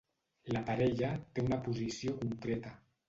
La parella té una posició concreta.